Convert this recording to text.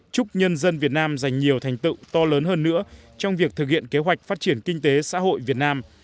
chúc nhân dân việt nam giành nhiều thành tựu to lớn hơn nữa trong việc thực hiện kế hoạch phát triển kinh tế xã hội việt nam